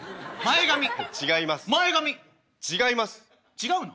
違うの？